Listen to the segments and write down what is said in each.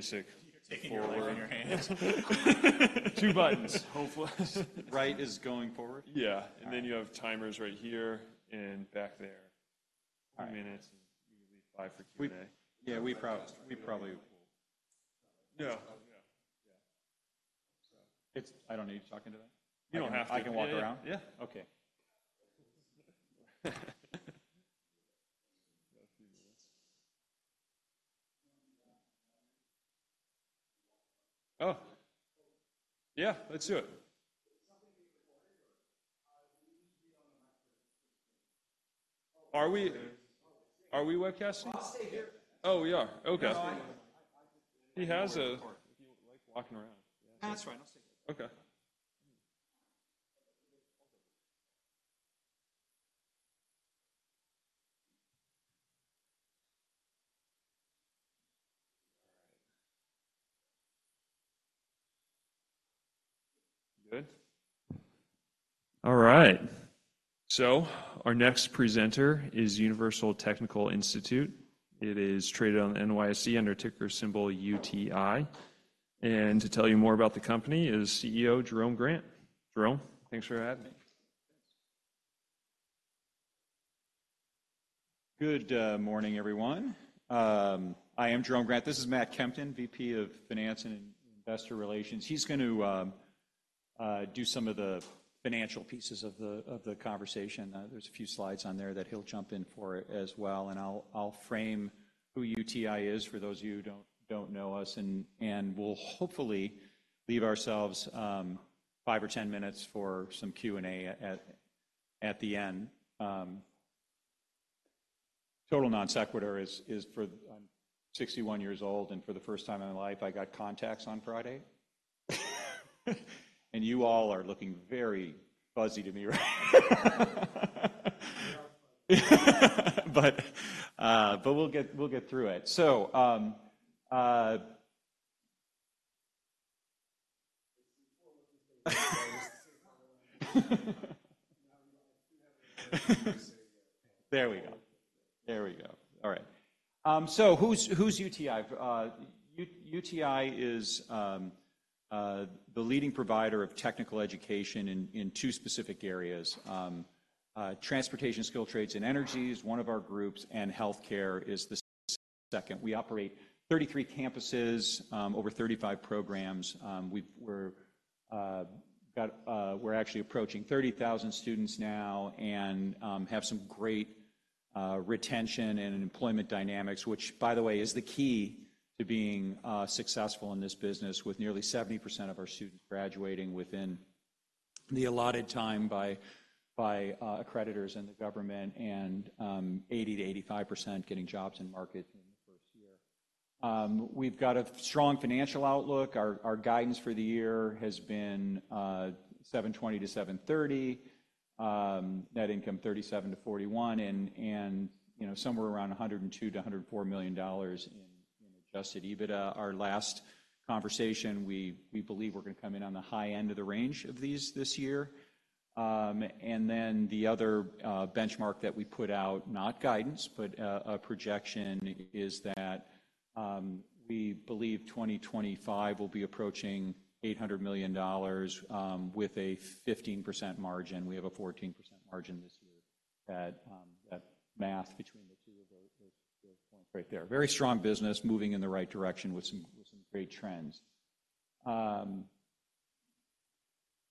Basic forward. Two buttons. Hopeful. Right? Is going forward? Yeah. All right. And then you have timers right here and back there. All right. Minutes, and you can leave five for Q&A. Yeah, we probably... No. Yeah. Yeah. So. It's. I don't need to talk into that? You don't have to. I can walk around? Yeah. Okay. Got a few minutes? Oh! Yeah, let's do it. There's something in the corner, or we need to be on the mic for this. Are we- Oh. Are we webcasting? I'll stay here. Oh, we are. Okay. No, I- He has a- If you like walking around. Yeah. That's right. I'll stay here. Okay. All right. Good? All right. So our next presenter is Universal Technical Institute. It is traded on the NYSE under ticker symbol UTI. And to tell you more about the company is CEO Jerome Grant. Jerome? Thanks for having me. Thanks. Good morning, everyone. I am Jerome Grant. This is Matt Kempton, VP of Finance and Investor Relations. He's going to do some of the financial pieces of the conversation. There's a few slides on there that he'll jump in for as well, and I'll frame who UTI is for those of you who don't know us, and we'll hopefully leave ourselves five or 10 minutes for some Q&A at the end. Total non sequitur is for-- I'm 61 years old, and for the first time in my life, I got contacts on Friday, and you all are looking very fuzzy to me right now. We are fuzzy. We'll get through it. There we go. There we go. All right, so who's UTI? UTI is the leading provider of technical education in two specific areas. Transportation, skilled trades, and energy is one of our groups, and healthcare is the second. We operate 33 campuses over 35 programs. We're actually approaching 30,000 students now and have some great retention and employment dynamics, which, by the way, is the key to being successful in this business, with nearly 70% of our students graduating within the allotted time by accreditors and the government, and 80%-85% getting jobs in market in the first year. We've got a strong financial outlook. Our guidance for the year has been $720-$730 million, net income $37-$41 million, and you know, somewhere around $102-$104 million in Adjusted EBITDA. Our last conversation, we believe we're going to come in on the high end of the range of these this year. And then the other benchmark that we put out, not guidance, but a projection, is that we believe 2025 will be approaching $800 million with a 15% margin. We have a 14% margin this year. That math between the two of those is right there. Very strong business, moving in the right direction with some great trends.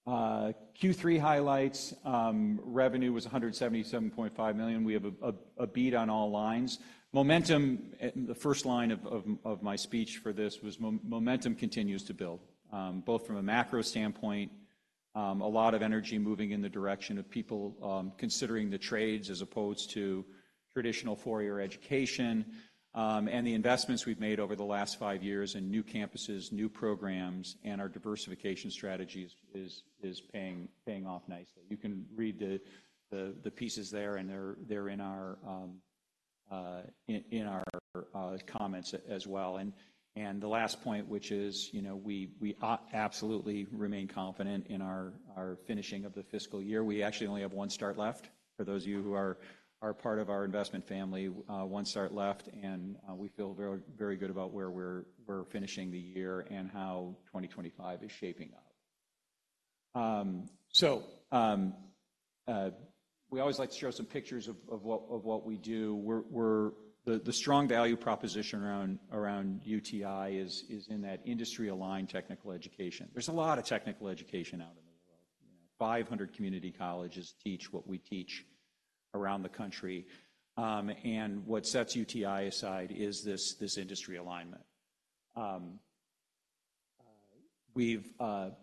Q3 highlights, revenue was $177.5 million. We have a beat on all lines. Momentum, the first line of my speech for this was momentum continues to build, both from a macro standpoint, a lot of energy moving in the direction of people, considering the trades as opposed to traditional four-year education, and the investments we've made over the last five years in new campuses, new programs, and our diversification strategy is paying off nicely. You can read the pieces there, and they're in our comments as well. The last point, which is, you know, we absolutely remain confident in our finishing of the fiscal year. We actually only have one start left. For those of you who are part of our investment family, one start left, and we feel very, very good about where we're finishing the year and how 2025 is shaping up. So we always like to show some pictures of what we do. We're the strong value proposition around UTI is in that industry-aligned technical education. There's a lot of technical education out in the world. 500 community colleges teach what we teach around the country. And what sets UTI aside is this industry alignment. We've been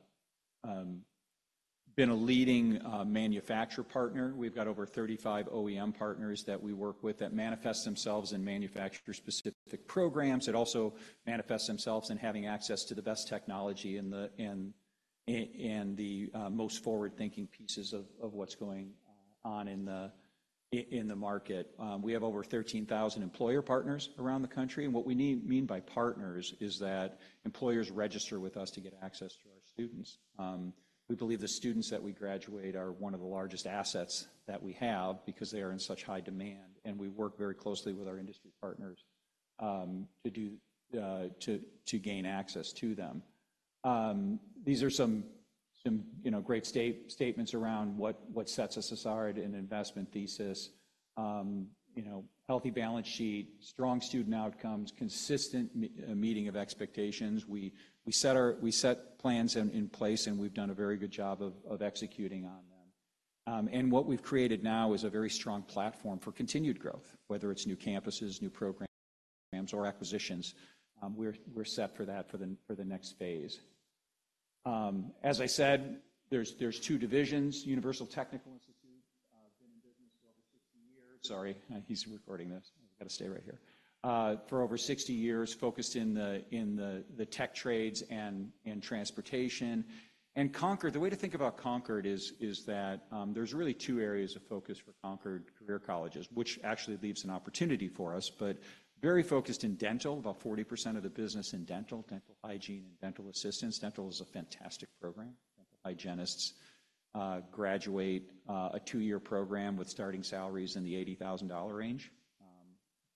a leading manufacturer partner. We've got over 35 OEM partners that we work with that manifest themselves in manufacturer-specific programs, that also manifest themselves in having access to the best technology and the most forward-thinking pieces of what's going on in the market. We have over 13,000 employer partners around the country, and what we mean by partners is that employers register with us to get access to our students. We believe the students that we graduate are one of the largest assets that we have because they are in such high demand, and we work very closely with our industry partners to gain access to them. These are some, you know, great statements around what sets us aside in an investment thesis. You know, healthy balance sheet, strong student outcomes, consistent meeting of expectations. We set plans in place, and we've done a very good job of executing on them. And what we've created now is a very strong platform for continued growth, whether it's new campuses, new programs, or acquisitions. We're set for that for the next phase. As I said, there's two divisions, Universal Technical Institute been in business for over 60 years. Sorry, he's recording this. I've got to stay right here. For over 60 years, focused in the tech trades and transportation. Concorde, the way to think about Concorde is that there's really two areas of focus for Concorde Career Colleges, which actually leaves an opportunity for us, but very focused in dental, about 40% of the business in dental, dental hygiene and dental assisting. Dental is a fantastic program. Hygienists graduate a two-year program with starting salaries in the $80,000 range.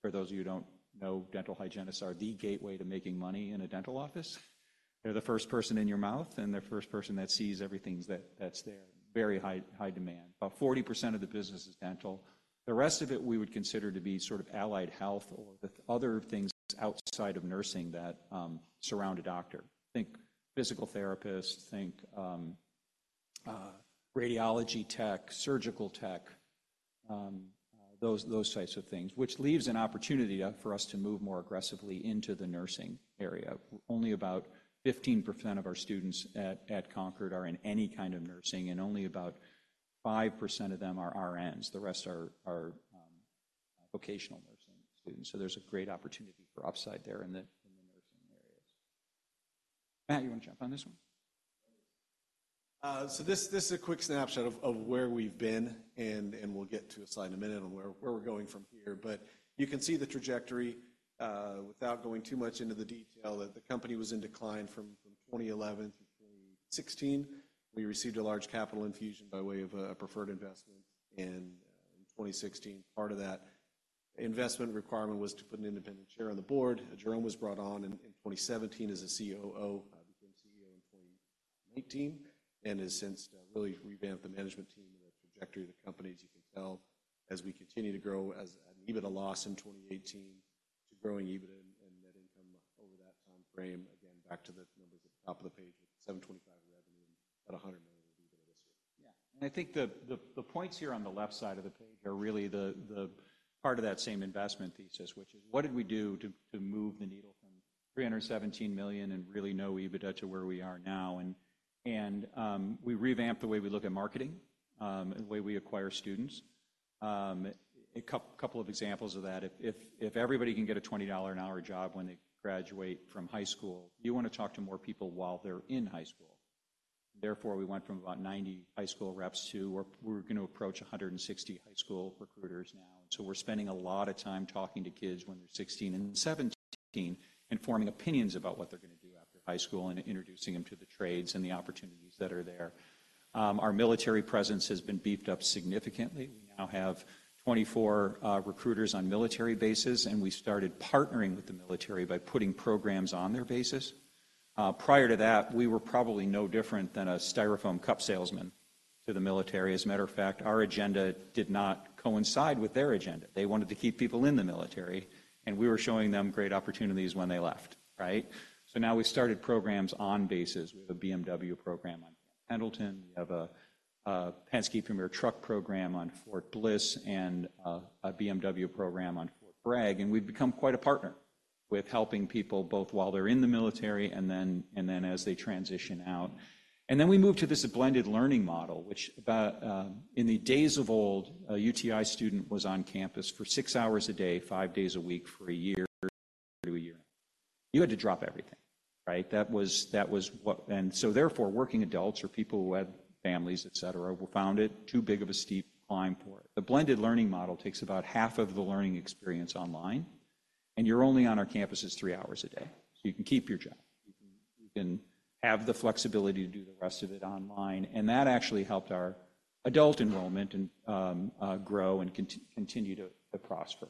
For those of you who don't know, dental hygienists are the gateway to making money in a dental office. They're the first person in your mouth, and they're the first person that sees everything that's there. Very high demand. About 40% of the business is dental. The rest of it we would consider to be sort of allied health or the other things outside of nursing that surround a doctor. Think physical therapist, think, radiology tech, surgical tech, those types of things, which leaves an opportunity for us to move more aggressively into the nursing area. Only about 15% of our students at Concorde are in any kind of nursing, and only about 5% of them are RNs. The rest are vocational nursing students, so there's a great opportunity for upside there in the nursing areas. Matt, you want to jump on this one? So this is a quick snapshot of where we've been, and we'll get to a slide in a minute on where we're going from here, but you can see the trajectory without going too much into the detail that the company was in decline from 2011 to 2016. We received a large capital infusion by way of a preferred investment in 2016. Part of that investment requirement was to put an independent chair on the board. Jerome was brought on in 2017 as a COO, became CEO in 2019, and has since really revamped the management team and the trajectory of the company, as you can tell, as we continue to grow as an EBITDA loss in 2018 to growing EBITDA and net income over that time frame. Again, back to the numbers at the top of the page, with $725 million revenue at $100 million EBITDA this year. Yeah, and I think the points here on the left side of the page are really the part of that same investment thesis, which is: What did we do to move the needle from $317 million and really no EBITDA to where we are now? We revamped the way we look at marketing and the way we acquire students. A couple of examples of that, if everybody can get a $20 an hour job when they graduate from high school, you want to talk to more people while they're in high school. Therefore, we went from about 90 high school reps to we're going to approach 160 high school recruiters now. So we're spending a lot of time talking to kids when they're 16 and 17 and forming opinions about what they're going to do after high school and introducing them to the trades and the opportunities that are there. Our military presence has been beefed up significantly. We now have 24 recruiters on military bases, and we started partnering with the military by putting programs on their bases. Prior to that, we were probably no different than a Styrofoam cup salesman to the military. As a matter of fact, our agenda did not coincide with their agenda. They wanted to keep people in the military, and we were showing them great opportunities when they left, right? So now we started programs on bases. We have a BMW program on Pendleton. We have a Penske Premier Truck program on Fort Bliss, and a BMW program on Fort Bragg, and we've become quite a partner with helping people both while they're in the military and then as they transition out. We moved to this blended learning model, which, about in the days of old, a UTI student was on campus for six hours a day, five days a week, for a year to a year. You had to drop everything, right? That was what. So therefore, working adults or people who had families, et cetera, found it too big of a steep climb for it. The blended learning model takes about half of the learning experience online, and you're only on our campuses three hours a day, so you can keep your job. You can have the flexibility to do the rest of it online, and that actually helped our adult enrollment and grow and continue to prosper.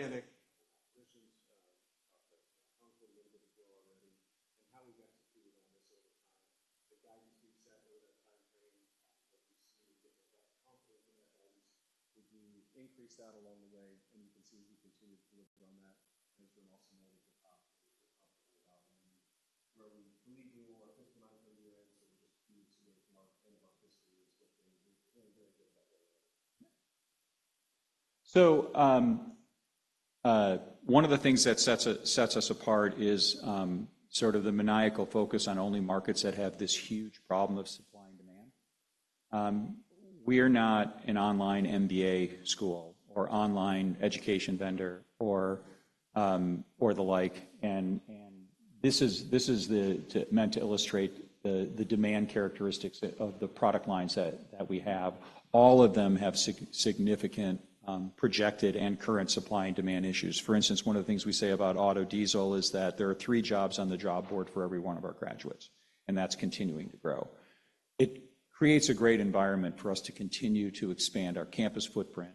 The point of this slide is not only number by number. It is just the consistency that we have delivered over the same time frame. With all the initiatives we're going to talk to in Part K, with the pandemic, acquisitions, that Concorde a little bit of growth already, and how we've executed on this over time. The guidance we've set over that time frame, that we've seen, get the best comfort in that guidance. We've increased that along the way, and you can see we continue to deliver on that. As you'll also know, that the top comfortable about and where we believe we will customize over the years, and we just need to make more and more history. One of the things that sets us apart is sort of the maniacal focus on only markets that have this huge problem of supply and-... We are not an online MBA school or online education vendor or, or the like. This is meant to illustrate the demand characteristics of the product lines that we have. All of them have significant projected and current supply and demand issues. For instance, one of the things we say about auto diesel is that there are three jobs on the job board for every one of our graduates, and that's continuing to grow. It creates a great environment for us to continue to expand our campus footprint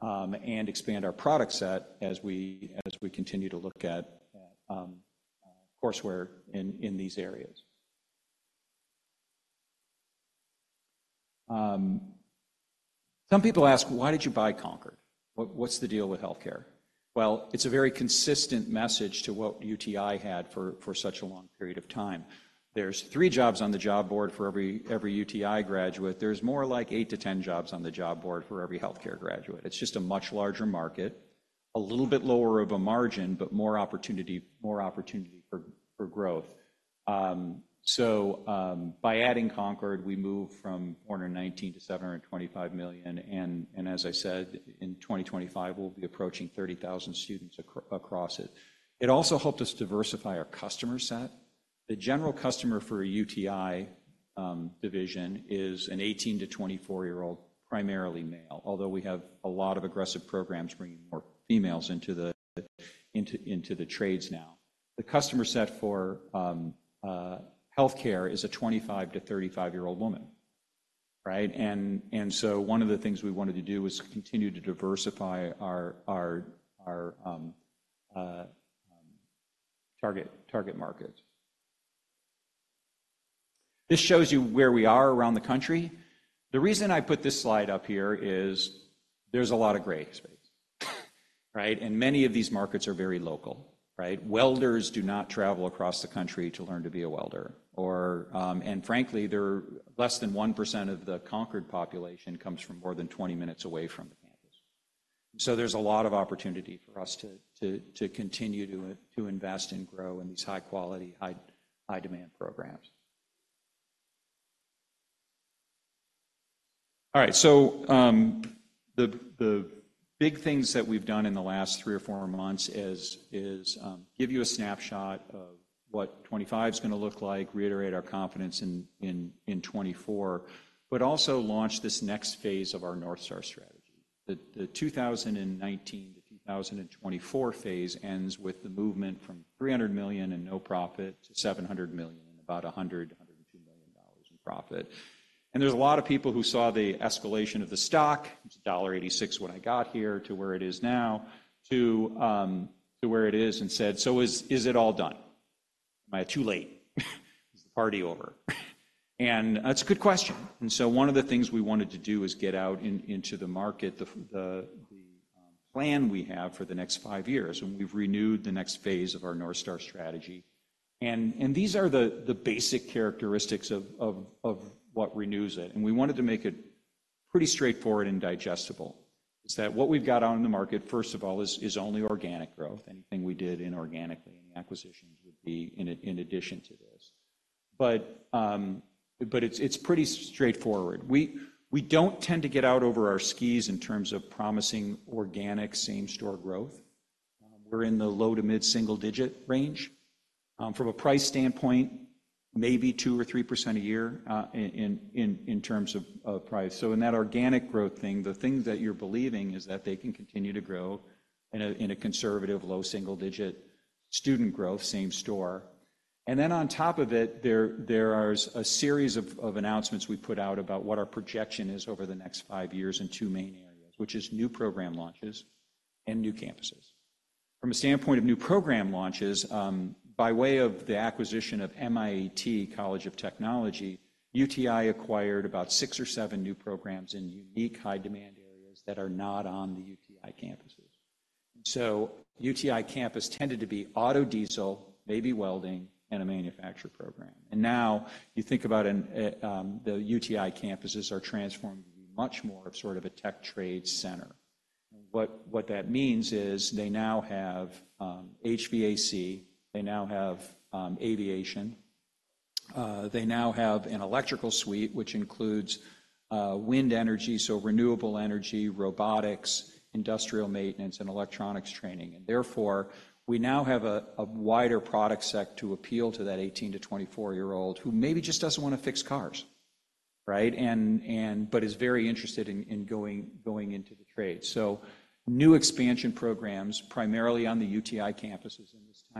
and expand our product set as we continue to look at courseware in these areas. Some people ask: Why did you buy Concorde? What's the deal with healthcare? It's a very consistent message to what UTI had for such a long period of time. There's three jobs on the job board for every UTI graduate. There's more like eight to 10 jobs on the job board for every healthcare graduate. It's just a much larger market, a little bit lower of a margin, but more opportunity for growth. So, by adding Concorde, we moved from $419 million to $725 million, and as I said, in 2025, we'll be approaching 30,000 students across it. It also helped us diversify our customer set. The general customer for a UTI division is an 18- to 24-year-old, primarily male, although we have a lot of aggressive programs bringing more females into the trades now. The customer set for healthcare is a 25-26 year-old woman, right? And so one of the things we wanted to do was continue to diversify our target market. This shows you where we are around the country. The reason I put this slide up here is there's a lot of gray space, right? And many of these markets are very local, right? Welders do not travel across the country to learn to be a welder. And frankly, they're less than 1% of the Concorde population comes from more than 20 minutes away from the campus. So there's a lot of opportunity for us to continue to invest and grow in these high-quality, high-demand programs. All right, so, the big things that we've done in the last three or four months is give you a snapshot of what 2025 is gonna look like, reiterate our confidence in 2024, but also launch this next phase of our North Star strategy. The 2019 to 2024 phase ends with the movement from $300 million and no profit to $700 million, about a hundred and two million dollars in profit. And there's a lot of people who saw the escalation of the stock, it was $1.86 when I got here, to where it is now, to where it is, and said: "So is it all done? Am I too late? Is the party over?" And that's a good question. And so one of the things we wanted to do is get out into the market, the plan we have for the next five years, and we've renewed the next phase of our North Star strategy. And these are the basic characteristics of what renews it, and we wanted to make it pretty straightforward and digestible. What we've got out in the market, first of all, is only organic growth. Anything we did inorganically, any acquisitions would be in addition to this. But it's pretty straightforward. We don't tend to get out over our skis in terms of promising organic same-store growth. We're in the low to mid-single-digit range. From a price standpoint, maybe 2% or 3% a year, in terms of price. In that organic growth thing, the thing that you're believing is that they can continue to grow in a conservative, low single digit student growth, same store. And then on top of it, there is a series of announcements we put out about what our projection is over the next five years in two main areas, which is new program launches and new campuses. From a standpoint of new program launches, by way of the acquisition of MIAT College of Technology, UTI acquired about six or seven new programs in unique high-demand areas that are not on the UTI campuses. So UTI campus tended to be auto diesel, maybe welding, and a manufacturer program. And now, you think about the UTI campuses are transformed into much more of sort of a tech trade center. What that means is they now have HVAC. They now have aviation. They now have an electrical suite, which includes wind energy, so renewable energy, robotics, industrial maintenance, and electronics training. Therefore, we now have a wider product set to appeal to that 18 to 24-year-old who maybe just doesn't want to fix cars, right? But is very interested in going into the trade. New expansion programs, primarily on the UTI campuses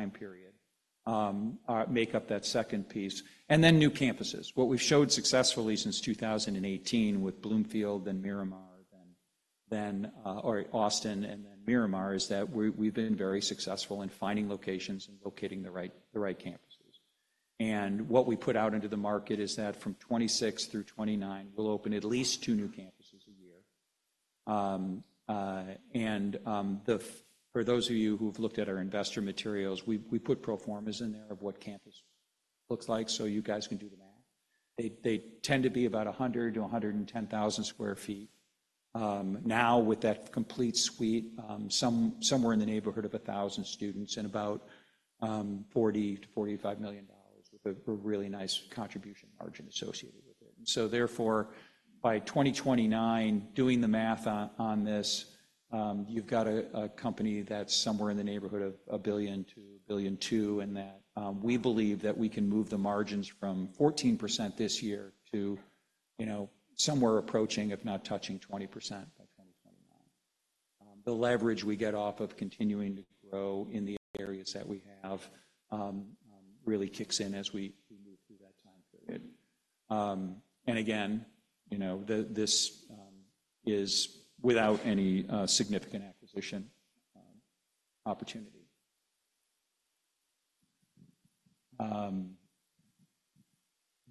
in this time period, make up that second piece, and then new campuses. What we've showed successfully since 2018 with Bloomfield, then Miramar, then Austin and then Miramar, is that we've been very successful in finding locations and locating the right campuses. And what we put out into the market is that from 2026 through 2029, we'll open at least two new campuses a year. For those of you who've looked at our investor materials, we put pro formas in there of what campus looks like, so you guys can do the math. They tend to be about 100 to 110 thousand sq ft. Now with that complete suite, somewhere in the neighborhood of 1,000 students and about $40 million-$45 million, with a really nice contribution margin associated with it. So therefore, by 2029, doing the math on this, you've got a company that's somewhere in the neighborhood of $1 billion-$1.2 billion, and that we believe that we can move the margins from 14% this year to, you know, somewhere approaching, if not touching 20% by 2029. The leverage we get off of continuing to grow in the areas that we have really kicks in as we move through that time period. And again, you know, this is without any significant acquisition opportunity.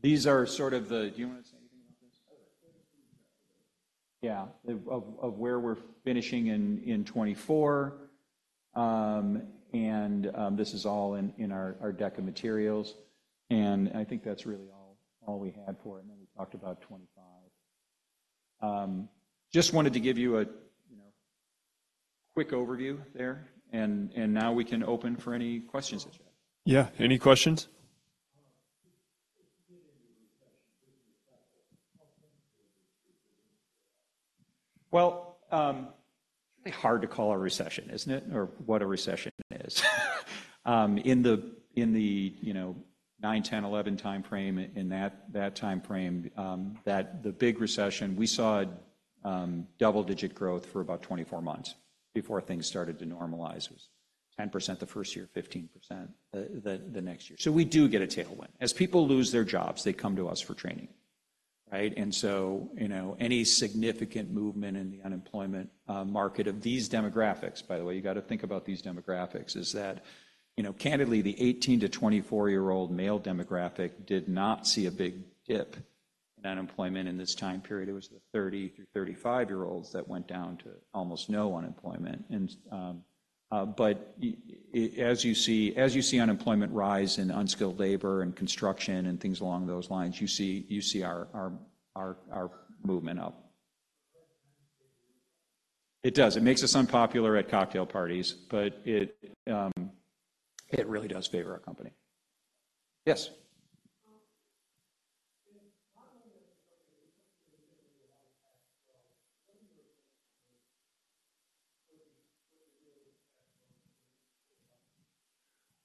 These are sort of the. Do you want to say anything about this? Yeah, of where we're finishing in 2024. This is all in our deck of materials, and I think that's really all we had for it, and then we talked about twenty twenty-five. Just wanted to give you a you know quick overview there, and now we can open for any questions that you have. Yeah, any questions? Um, Hard to call a recession, isn't it? Or what a recession is. In the you know nine, 10, 11 time frame, in that time frame, the big recession, we saw double-digit growth for about 24 months before things started to normalize. It was 10% the first year, 15% the next year. So we do get a tailwind. As people lose their jobs, they come to us for training, right? And so, you know, any significant movement in the unemployment market of these demographics, by the way, you got to think about these demographics, is that, you know, candidly, the 18 to 24-year-old male demographic did not see a big dip in unemployment in this time period. It was the 30 through 35-year-olds that went down to almost no unemployment. But as you see unemployment rise in unskilled labor and construction and things along those lines, you see our movement up. It does. It makes us unpopular at cocktail parties, but it really does favor our company. Yes.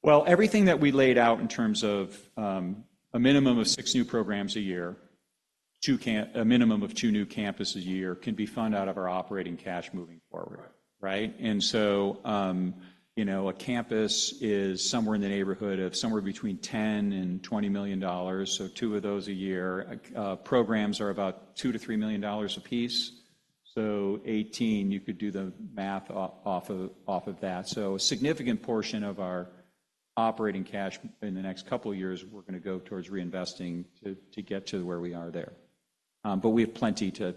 Um, Everything that we laid out in terms of a minimum of six new programs a year, two, a minimum of two new campuses a year, can be funded out of our operating cash moving forward. Right. Right? And so, you know, a campus is somewhere in the neighborhood of somewhere between $10-$20 million, so two of those a year. Programs are about $2-$3 million apiece, so eighteen, you could do the math off of that. So a significant portion of our operating cash in the next couple of years, we're going to go towards reinvesting to get to where we are there. But we have plenty to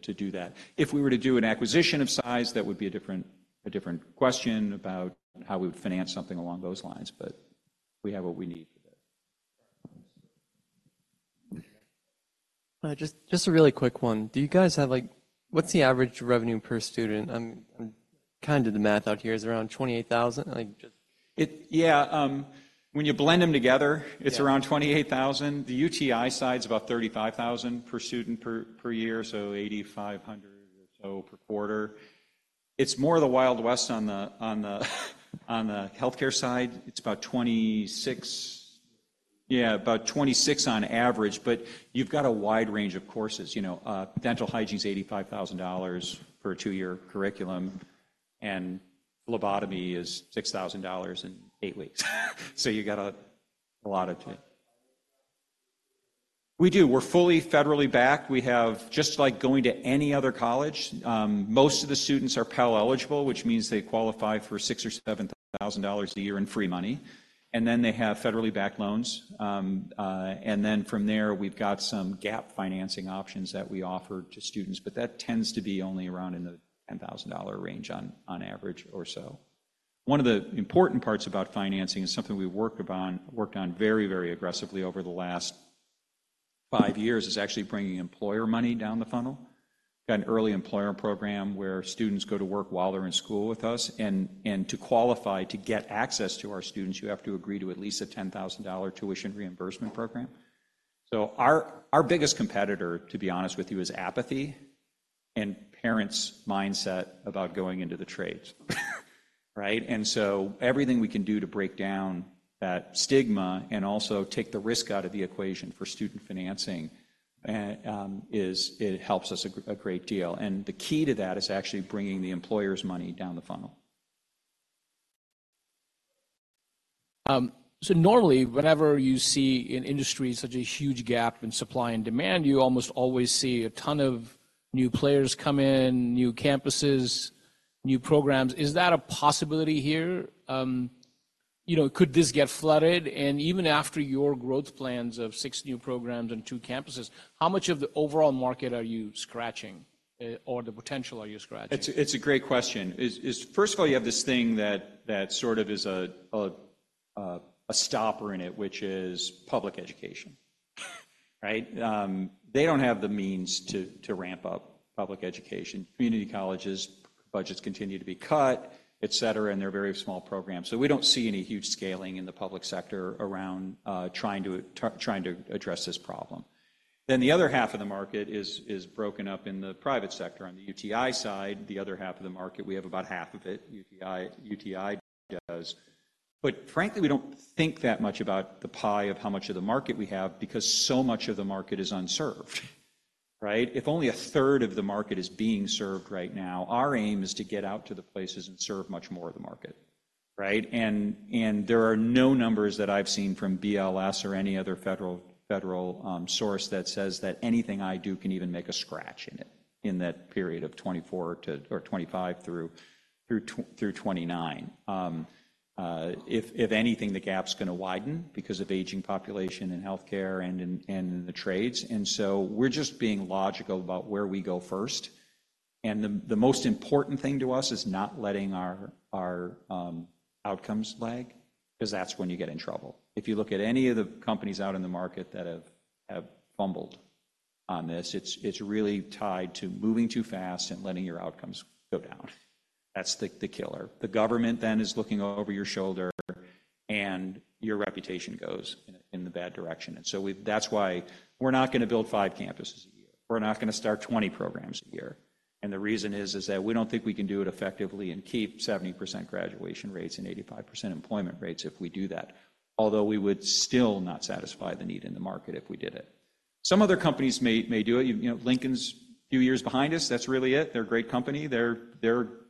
do that. If we were to do an acquisition of size, that would be a different question about how we would finance something along those lines, but we have what we need for this. Just a really quick one. Do you guys have like, what's the average revenue per student? I'm kind of did the math out here. Is it around $28,000? Like, just- Yeah, when you blend them together. Yeah. It's around $28,000. The UTI side's about $35,000 per student per year, so $8,500 or so per quarter. It's more the Wild West on the healthcare side. It's about $26. Yeah, about $26 on average, but you've got a wide range of courses. You know, dental hygiene is $85,000 for a two-year curriculum, and phlebotomy is $6,000 in eight weeks. So you got a lot of. We do. We're fully federally backed. We have. Just like going to any other college, most of the students are Pell eligible, which means they qualify for $6,000 or $7,000 a year in free money, and then they have federally backed loans. And then from there, we've got some gap financing options that we offer to students, but that tends to be only around in the $10,000 range on average or so. One of the important parts about financing is something we worked on very, very aggressively over the last five years, is actually bringing employer money down the funnel. Got an early employer program where students go to work while they're in school with us, and to qualify to get access to our students, you have to agree to at least a $10,000 tuition reimbursement program. So our biggest competitor, to be honest with you, is apathy and parents' mindset about going into the trades, right? And so everything we can do to break down that stigma and also take the risk out of the equation for student financing. It helps us a great deal. And the key to that is actually bringing the employer's money down the funnel. So normally, whenever you see in industry such a huge gap in supply and demand, you almost always see a ton of new players come in, new campuses, new programs. Is that a possibility here? You know, could this get flooded? And even after your growth plans of six new programs and two campuses, how much of the overall market are you scratching, or the potential are you scratching? It's a great question. First of all, you have this thing that sort of is a stopper in it, which is public education, right? They don't have the means to ramp up public education. Community colleges' budgets continue to be cut, et cetera, and they're very small programs. So we don't see any huge scaling in the public sector around trying to address this problem. Then the other half of the market is broken up in the private sector. On the UTI side, the other half of the market, we have about half of it, UTI does. But frankly, we don't think that much about the pie of how much of the market we have because so much of the market is unserved, right? If only a third of the market is being served right now, our aim is to get out to the places and serve much more of the market, right? And there are no numbers that I've seen from BLS or any other federal source that says that anything I do can even make a scratch in it, in that period of 2024 to 2025 through 2029. If anything, the gap's gonna widen because of aging population and healthcare and in the trades, and so we're just being logical about where we go first. And the most important thing to us is not letting our outcomes lag, 'cause that's when you get in trouble. If you look at any of the companies out in the market that have fumbled on this, it's really tied to moving too fast and letting your outcomes go down. That's the killer. The government then is looking over your shoulder, and your reputation goes in a bad direction. And so that's why we're not gonna build five campuses a year. We're not gonna start 20 programs a year. And the reason is that we don't think we can do it effectively and keep 70% graduation rates and 85% employment rates if we do that, although we would still not satisfy the need in the market if we did it. Some other companies may do it. You know, Lincoln's a few years behind us. That's really it. They're a great company.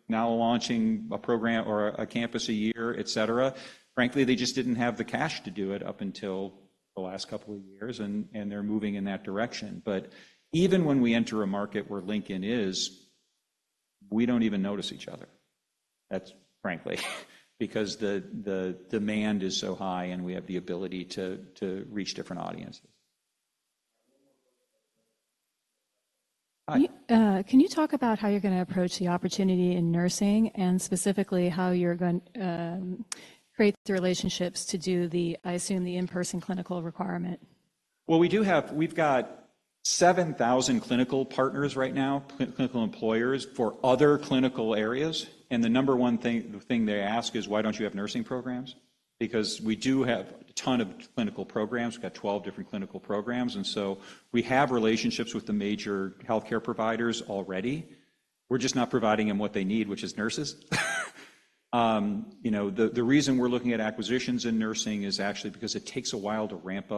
They're now launching a program or a campus a year, et cetera. Frankly, they just didn't have the cash to do it up until the last couple of years, and they're moving in that direction. But even when we enter a market where Lincoln is, we don't even notice each other. That's frankly because the demand is so high, and we have the ability to reach different audiences. One more question. Hi. You, can you talk about how you're gonna approach the opportunity in nursing and specifically how you're going create the relationships to do the, I assume, the in-person clinical requirement? We do have, we've got 7,000 clinical partners right now, clinical employers for other clinical areas, and the number one thing they ask is: Why don't you have nursing programs? Because we do have a ton of clinical programs. We've got 12 different clinical programs, and so we have relationships with the major healthcare providers already. We're just not providing them what they need, which is nurses. You know, the reason we're looking at acquisitions in nursing is actually because it takes a while to ramp up.